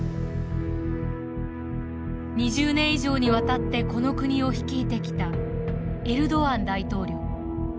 ２０年以上にわたってこの国を率いてきたエルドアン大統領。